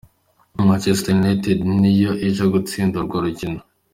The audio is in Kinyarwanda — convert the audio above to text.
Manchester United niyo ija giutsinda urwo rukino.